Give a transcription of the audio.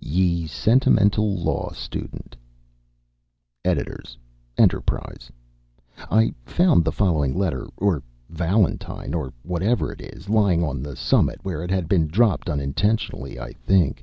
YE SENTIMENTAL LAW STUDENT EDS. ENTERPRISE I found the following letter, or Valentine, or whatever it is, lying on the summit, where it had been dropped unintentionally, I think.